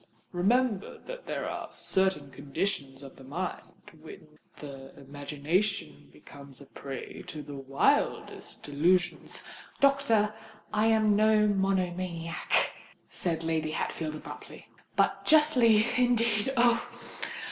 Remember that there are certain conditions of the mind, when the imagination becomes a prey to the wildest delusions——" "Doctor, I am no monomaniac," said Lady Hatfield abruptly. "But justly, indeed—oh!